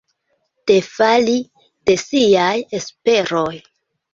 Defali de siaj esperoj.